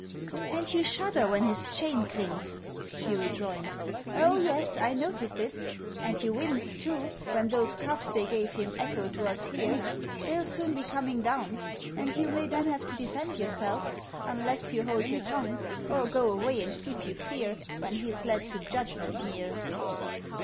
"And you shudder when his chain clinks!" she rejoined. "O yes, I noticed it. And you winced, too, when those cuffs they gave him echoed to us here. They'll soon be coming down, and you may then have to defend yourself Unless you hold your tongue, or go away and keep you clear When he's led to judgment near!"